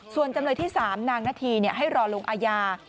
ส่วนจำเลยที่๓นางนาธีให้รอลงอาญา